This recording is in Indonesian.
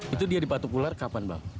itu dia dipatu ular kapan bang